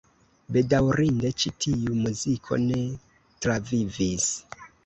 Bedaŭrinde ĉi tiu muziko ne travivis.